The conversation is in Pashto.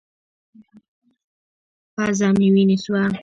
پزه مې وينې سوه.